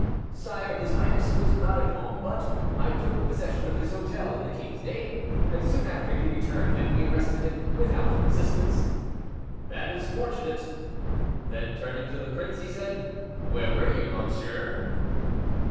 "Sire, his highness was not at home, but I took possession of his hotel in the king's name, and soon after he returned, and we arrested him without resistance." "That is fortunate." Then, turning to the prince, he said, "Where were you, monsieur?"